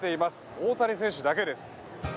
大谷選手だけです。